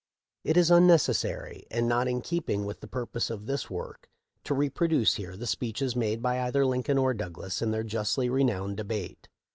* It is unnecessary and not in keeping with the pur pose of this work to reproduce here the speeches made by either Lincoln or Douglas in their justly renowned debate.